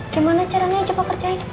gimana caranya coba kerjain